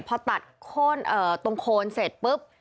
พอตัดโค้นตรงโคนเสร็จปุ๊บ